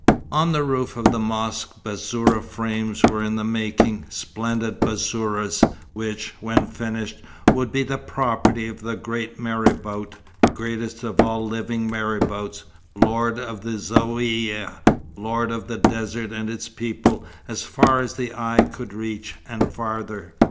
On the roof of the mosque bassourah frames were in the making, splendid bassourahs, which, when finished, would be the property of the great marabout, greatest of all living marabouts, lord of the Zaouïa, lord of the desert and its people, as far as the eye could reach, and farther.